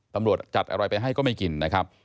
ตำรวจจัดอะไรไปให้ก็ไม่กินนะครับ